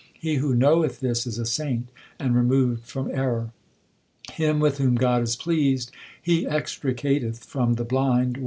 He who knoweth this is a saint and removed from error. Him with whom God is pleased, He extricateth from the blind well.